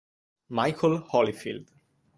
Michael Holyfield